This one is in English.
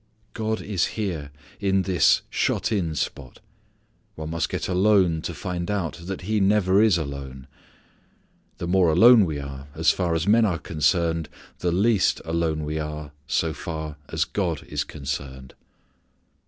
God is here in this shut in spot. One must get alone to find out that he never is alone. The more alone we are as far as men are concerned the least alone we are so far a; God is concerned.